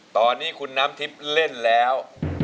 ตอนนี้คุณน้ำทิพย์เล่นแล้ว